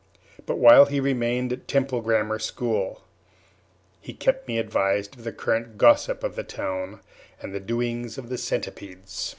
But while he remained at the Temple Grammar School he kept me advised of the current gossip of the town and the doings of the Centipedes.